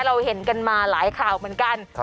เราเห็นกันมาหลายข่าวเหมือนกัน